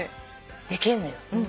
できるのよ。